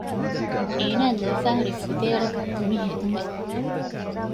އޭނާއަށް ލެވިފައި ހުރީ ފުދޭވަރަކަށް ތުނި ހެދުމެއް